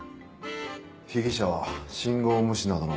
被疑者は信号無視などの交通違反は？